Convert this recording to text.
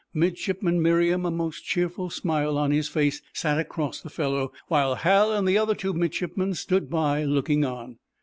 Midshipman Merriam, a most cheerful smile on his face, sat across the fellow, while Hal and the other two midshipmen stood by, looking on.